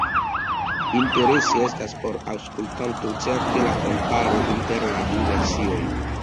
Interese estas por aŭskultanto certe la komparo inter la du versioj.